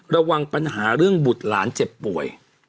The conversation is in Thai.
ระวังปัญหาเรื่องบุตรหลานเจ็บป่วย